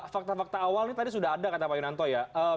fakta fakta awal ini tadi sudah ada kata pak yunanto ya